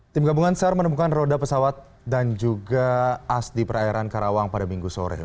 tim gabungan sar menemukan roda pesawat dan juga as di perairan karawang pada minggu sore